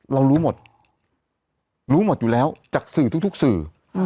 เรารู้หมดรู้หมดอยู่แล้วจากสื่อทุกสื่อ